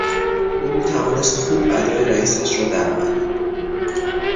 او میتوانست خوب ادای رئیسش را درآورد.